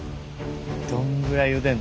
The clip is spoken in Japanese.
どんぐらいゆでんの？